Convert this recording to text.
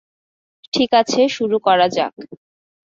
ঠিক আছে, শুরু করা যাক।